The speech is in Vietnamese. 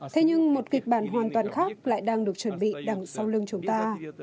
thế nhưng một kịch bản hoàn toàn khác lại đang được chuẩn bị đằng sau lưng chúng ta